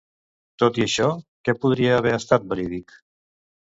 Tot i això, què podria haver estat verídic?